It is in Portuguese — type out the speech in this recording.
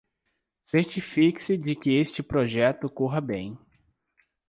Certifique-se de que este projeto corra bem